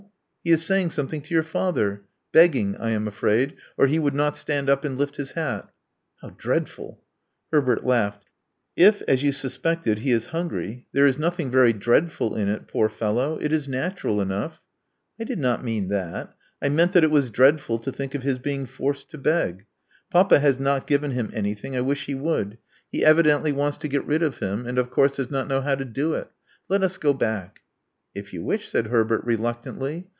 He is saying something to your father. Beg ging, I am afraid, or he would not stand up and lift hi hat." . V*How dreadful!" Herbert laughed. If, as you suspected, he hungry, there is nothing very dreadful in it, ^ fellow. It is natural enough." I did not mean that. I meant that it was drf to think of his being forced to beg. Papa b given him anything — I wish he would. He ev Love Among the Artists ii wants to get rid of him, and, of course, does not know how to do it. Let ns go back. ••If you wish," said Herbert, reluctantly.